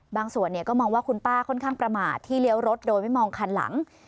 บางส่วนก็มองว่าคุณป้าค่อนข้างประมาทที่เลี้ยวรถโดยไม่มองคันหลัง